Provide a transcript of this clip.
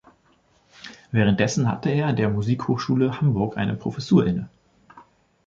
Währenddessen hatte er an der Musikhochschule Hamburg eine Professur inne.